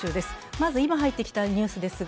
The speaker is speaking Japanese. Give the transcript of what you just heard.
まず今入ってきたニュースです。